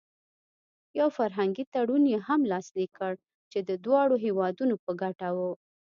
یو فرهنګي تړون یې هم لاسلیک کړ چې د دواړو هېوادونو په ګټه و.